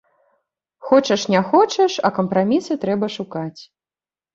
Хочаш не хочаш, а кампрамісы трэба шукаць.